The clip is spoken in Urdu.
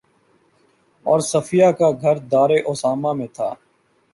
اور صفیہ کا گھر دارِ اسامہ میں تھا